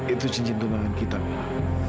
itu cincin tunangan kita pak